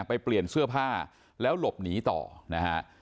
เปลี่ยนเสื้อผ้าแล้วหลบหนีต่อนะฮะ